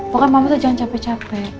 pokoknya mama tuh jangan capek capek